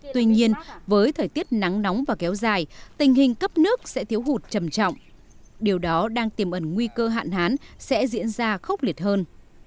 tuy nhiên với thời tiết nắng nóng và kéo dài tình hình cấp nước sẽ thiếu hụt trầm trọng điều đó đang tiềm ẩn nguy cơ hạn hán sẽ diễn ra khốc liệt hơn